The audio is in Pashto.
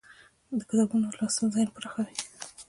د کتابونو لوستل ذهن پراخوي.